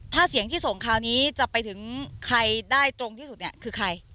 ถ้าเสียงที่ส่งคราวนี้จะไปถึงใครได้ตรงที่สุดเนี่ยคือใคร